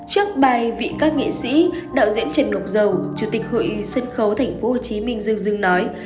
trước bài vị các nghệ sĩ đạo diễn trần lục dầu chủ tịch hội sân khấu tp hcm dương dưng nói